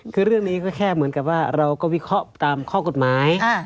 คือเรื่องนี้ก็แค่เหมือนกับว่าเราก็วิเคราะห์ตามข้อกฎหมาย